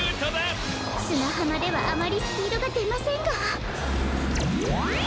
すなはまではあまりスピードがでませんが。